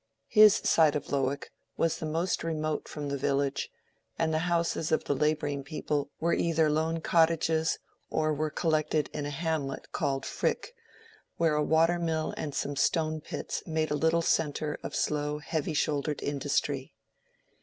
His side of Lowick was the most remote from the village, and the houses of the laboring people were either lone cottages or were collected in a hamlet called Frick, where a water mill and some stone pits made a little centre of slow, heavy shouldered industry.